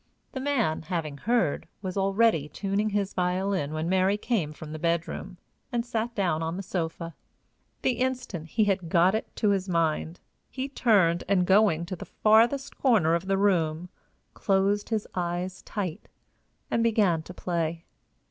The man, having heard, was already tuning his violin when Mary came from the bedroom, and sat down on the sofa. The instant he had got it to his mind, he turned, and, going to the farthest corner of the room, closed his eyes tight, and began to play.